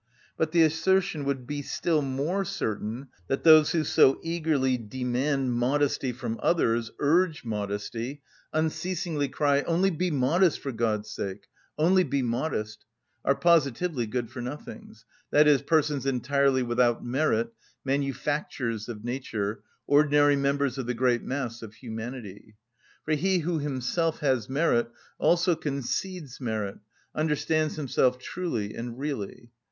But the assertion would be still more certain that those who so eagerly demand modesty from others, urge modesty, unceasingly cry, "Only be modest, for God's sake, only be modest!" are positively good‐for‐nothings, i.e., persons entirely without merit, manufactures of nature, ordinary members of the great mass of humanity. For he who himself has merit also concedes merit—understands himself truly and really.